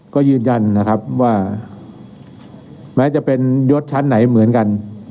ก็ยืนยันนะครับว่าแม้จะเป็นยศชั้นไหนเหมือนกัน